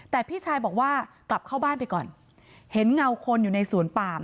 แต่พี่ชายบอกว่ากลับเข้าบ้านไปก่อนเห็นเงาคนอยู่ในสวนปาม